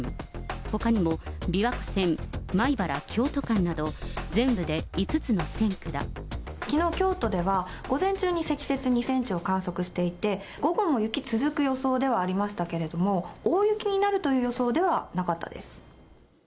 ほかにも琵琶湖線、米原・京都間など、きのう、京都では午前中に積雪２センチを観測していて、午後も雪続く予想ではありましたけれども、大雪になるという予想ではなかったです。